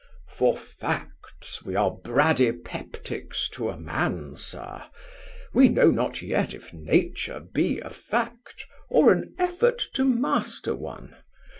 "For facts, we are bradypeptics to a man, sir. We know not yet if nature be a fact or an effort to master one.